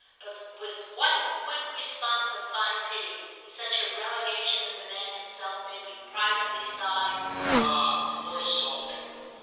But with what quick response of fine pity such a relegation of the man himself made me privately sigh "Ah poor Saltram!"